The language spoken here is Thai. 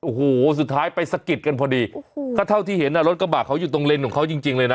โอ้โหสุดท้ายไปสะกิดกันพอดีโอ้โหก็เท่าที่เห็นอ่ะรถกระบาดเขาอยู่ตรงเลนของเขาจริงจริงเลยนะ